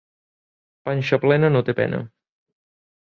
Panxa plena no té pena.